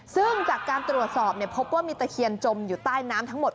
ซึ่งจากการตรวจสอบพบว่ามีตะเคียนจมอยู่ใต้น้ำทั้งหมด